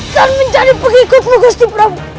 dan menjadi pengikutmu gusti prapu